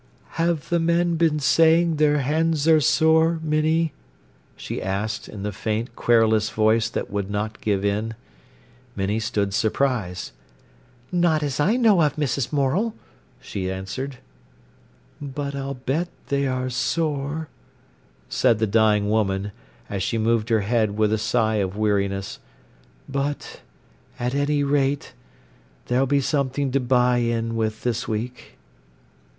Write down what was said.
"Have the men been saying their hands are sore, Minnie?" she asked, in the faint, querulous voice that would not give in. Minnie stood surprised. "Not as I know of, Mrs. Morel," she answered. "But I'll bet they are sore," said the dying woman, as she moved her head with a sigh of weariness. "But, at any rate, there'll be something to buy in with this week."